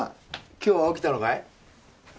今日は起きたのかい？